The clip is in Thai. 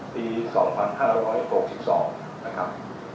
ปี๒๕๖๒นะครับ